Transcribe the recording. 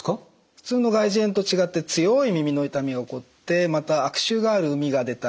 普通の外耳炎と違って強い耳の痛みが起こってまた悪臭があるうみが出たりします。